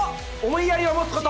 思いやりを持つ事。